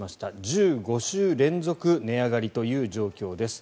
１５週連続値上がりという状況です。